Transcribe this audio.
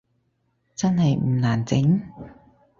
真係唔難整？